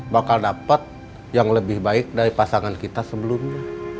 bakal dapat yang lebih baik dari pasangan kita sebelumnya